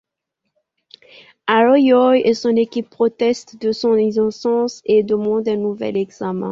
Arroyo et son équipe protestent de son innocence et demandent un nouvel examen.